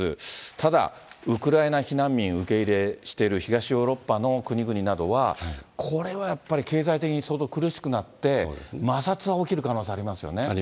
ただ、ウクライナ避難民受け入れしている東ヨーロッパの国々などは、これはやっぱり経済的に相当苦しくなって、摩擦が起きる可能ありますね。